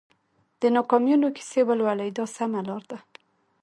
د ناکامیونو کیسې ولولئ دا سمه لار ده.